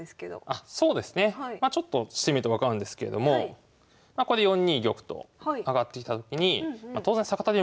あそうですね。ちょっとしてみると分かるんですけれどもこれ４二玉と上がってきたときに当然坂田流